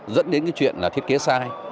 dẫn đến chuyện thiết kế sai